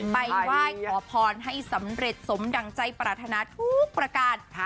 ไปไหว้ขอพรให้สำเร็จสมดั่งใจปรารถนาทุกประการ